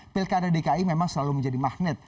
pilkada dki memang selalu menjadi magnet